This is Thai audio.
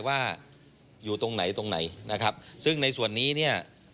ว่าอยู่ตรงไหนตรงไหนซึ่งในส่วนนี้